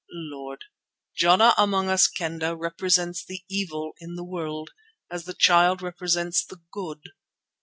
"Lord, Jana among us Kendah represents the evil in the world, as the Child represents the good.